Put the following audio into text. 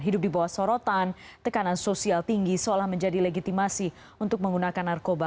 hidup di bawah sorotan tekanan sosial tinggi seolah menjadi legitimasi untuk menggunakan narkoba